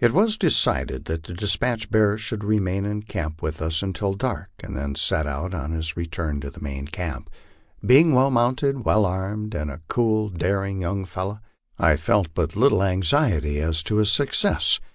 It was decided that the despatch bearer should remain in camp with us un til dark and then set out on his return to the main camp. Being well mounted, well armed, and a cool, daring young fellow, I felt but little anxiety as to his success.